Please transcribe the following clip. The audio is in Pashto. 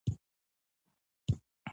انسانانو ته هغومره عذاب او شکنجې ورکړل شوې.